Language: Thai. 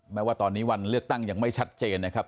แม้ว่าตอนนี้วันเลือกตั้งยังไม่ชัดเจนนะครับ